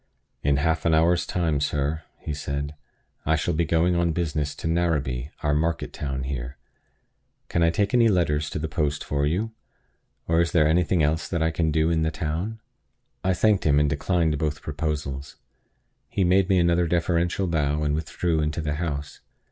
"In half an hour's time, sir," he said, "I shall be going on business to Narrabee, our market town here. Can I take any letters to the post for you? or is there anything else that I can do in the town?" I thanked him, and declined both proposals. He made me another deferential bow, and withdrew into the house.